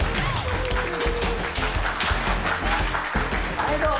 はいどうも。